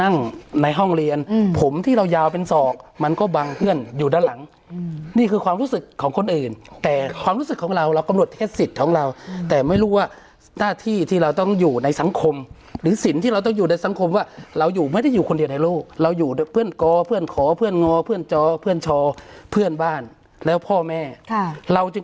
ในห้องเรียนผมที่เรายาวเป็นศอกมันก็บังเพื่อนอยู่ด้านหลังนี่คือความรู้สึกของคนอื่นแต่ความรู้สึกของเราเรากำหนดเทศสิทธิ์ของเราแต่ไม่รู้ว่าหน้าที่ที่เราต้องอยู่ในสังคมหรือสินที่เราต้องอยู่ในสังคมว่าเราอยู่ไม่ได้อยู่คนเดียวในโลกเราอยู่เพื่อนกอเพื่อนขอเพื่อนงอเพื่อนจอเพื่อนชอเพื่อนบ้านแล้วพ่อแม่ค่ะเราจึง